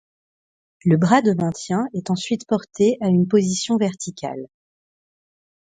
Le bras de maintien est ensuite porté à une position verticale.